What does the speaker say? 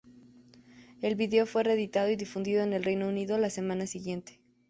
El vídeo fue reeditado y difundido en el Reino Unido la semana siguiente.